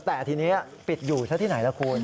แต่ทีนี้ปิดอยู่ซะที่ไหนล่ะคุณ